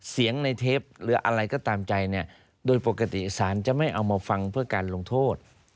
เสียงในเทปหรืออะไรก็ตามใจเนี่ยโดยปกติสารจะไม่เอามาฟังเพื่อการลงโทษ